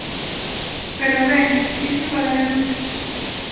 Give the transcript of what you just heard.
Pero, ben, diso falaremos despois.